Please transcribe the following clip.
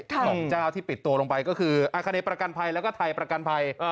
ของเจ้าที่ปิดตัวลงไปก็คืออาคเนประกันภัยแล้วก็ไทยประกันภัย